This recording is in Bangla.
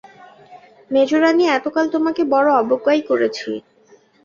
মেজোরানী, এত কাল তোমাকে বড়ো অবজ্ঞাই করেছি।